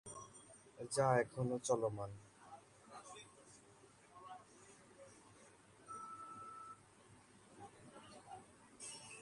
যা এখনো চলমান।